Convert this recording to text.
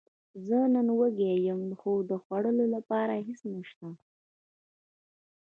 زه نن وږی یم، خو د خوړلو لپاره هیڅ نشته